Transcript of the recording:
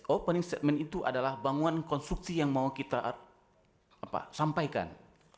opening statement itu adalah bangunan konstruksi yang mau kita sampaikan